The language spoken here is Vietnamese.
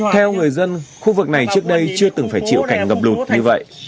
theo người dân khu vực này trước đây chưa từng phải chịu cảnh ngập lụt như vậy